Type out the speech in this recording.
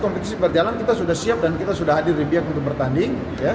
kompetisi berjalan kita sudah siap dan kita sudah hadir di biak untuk bertanding